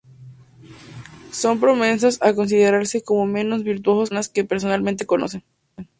Son propensos a considerarse como menos virtuosos que las personas que personalmente conocen.